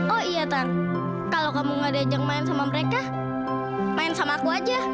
oh iya tan kalau kamu gak diajak main sama mereka main sama aku aja